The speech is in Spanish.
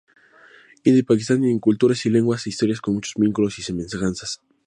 India y Pakistán tienen culturas y lenguas e historias con muchos vínculos y semejanzas.